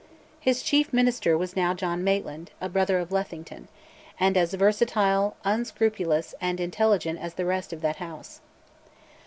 His chief Minister was now John Maitland, a brother of Lethington, and as versatile, unscrupulous, and intelligent as the rest of that House.